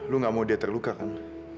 lu gak mau dia terluka kan